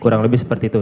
kurang lebih seperti itu